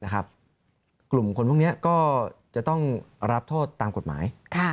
กลุ่มคนพวกนี้ก็จะต้องรับโทษตามกฎหมาย